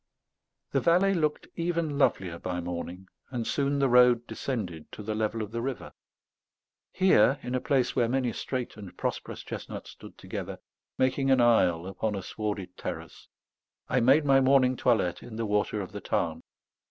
The valley looked even lovelier by morning; and soon the road descended to the level of the river. Here, in a place where many straight and prosperous chestnuts stood together, making an aisle upon a swarded terrace, I made my morning toilette in the water of the Tarn.